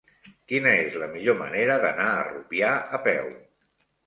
Quina és la millor manera d'anar a Rupià a peu?